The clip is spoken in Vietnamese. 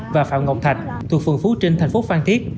và phạm ngọc thạch thuộc phường phú trinh thành phố phan thiết